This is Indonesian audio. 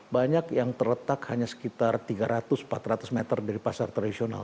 banyak yang terletak hanya sekitar tiga ratus empat ratus meter dari pasar tradisional